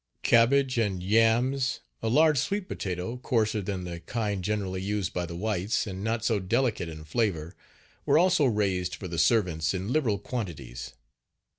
Cabbage and yams, a large sweet potato, coarser than the kind generally used by the whites and not so delicate in flavor, were also raised for the servants in liberal quantities.